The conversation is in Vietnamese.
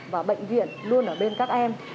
và bệnh viện luôn ở bên các em